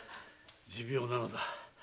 持病なのだ。